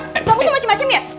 kamu tuh macem macem ya